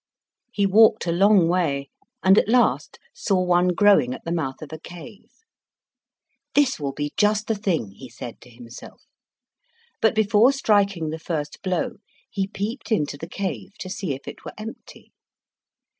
He walked a long way, and at last saw one growing at the mouth of a cave. "This will be just the thing," he said to himself. But, before striking the first blow, he peeped into the cave to see if it were empty.